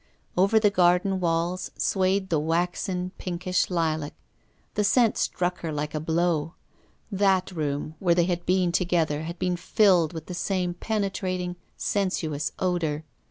Over the garden walls swayed the waxen, pinkish lilac. The scent struck her like a blow ; that room, where they THE WOMAN IN THE GLASS. 309 had been together, had been filled with the same penetrating, sensuous odour.